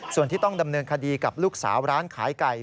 ส่วนที่ต้องดำเนินคดีกับลูกสาวร้านขายไก่